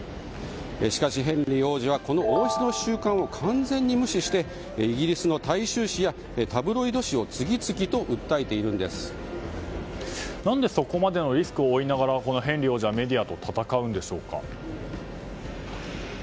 しかし、ヘンリー王子はこの王室の習慣を完全に無視してイギリスの大衆紙やタブロイド紙を何で、そこまでのリスクを負いながらヘンリー王子はメディアと戦うんでしょうか。